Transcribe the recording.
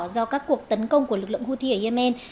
do các cuộc tấn công của lực lượng houthi ở yemen